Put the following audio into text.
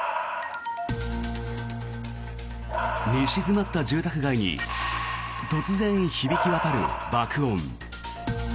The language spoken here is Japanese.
寝静まった住宅街に突然響き渡る爆音。